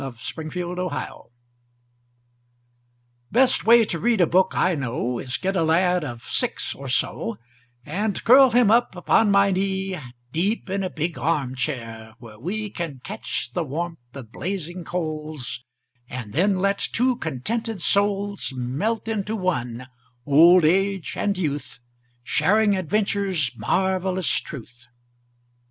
Best Way to Read a Book Best way to read a book I know Is get a lad of six or so, And curl him up upon my knee Deep in a big arm chair, where we Can catch the warmth of blazing coals, And then let two contented souls Melt into one, old age and youth, Sharing adventure's marvelous truth.